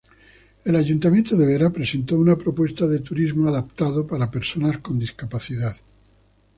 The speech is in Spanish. El Ayuntamiento de Vera presentó una propuesta de turismo adaptado para personas con discapacidad.